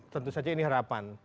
tentu saja ini harapan